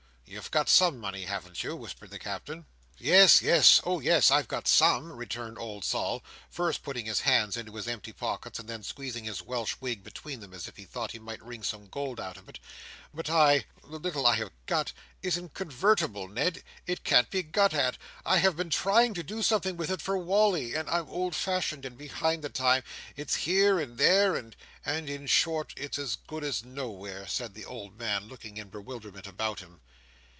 "You've got some money, haven't you?" whispered the Captain. "Yes, yes—oh yes—I've got some," returned old Sol, first putting his hands into his empty pockets, and then squeezing his Welsh wig between them, as if he thought he might wring some gold out of it; "but I—the little I have got, isn't convertible, Ned; it can't be got at. I have been trying to do something with it for Wally, and I'm old fashioned, and behind the time. It's here and there, and—and, in short, it's as good as nowhere," said the old man, looking in bewilderment about him.